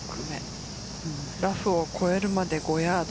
ラフを越えるまで５ヤード。